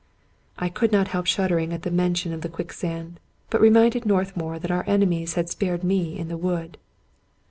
I could not help shuddering at the mention of the quick sand, but reminded Northmour that our enemies had spared me in the wood.